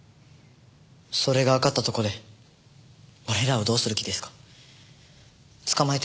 それがわかったところで俺らをどうする気ですか？